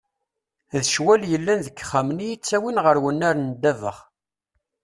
D ccwal yellan deg yexxamen i ttawin ɣer wennar n ddabex.